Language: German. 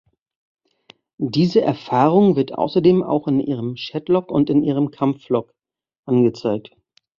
Diese Erfahrung wird außerdem auch in Ihrem Chatlog und in Ihrem Kampflog angezeigt.